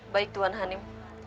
baik tuan hanim